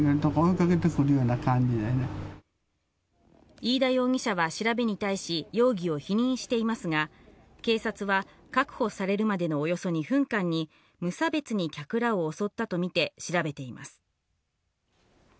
飯田容疑者は調べに対し容疑を否認していますが、警察は、確保されるまでのおよそ２分間に、無差別に客らを襲ったとみて調べています。